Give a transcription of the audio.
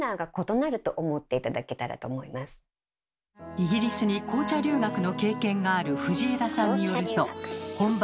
イギリスに紅茶留学の経験がある藤枝さんによると本場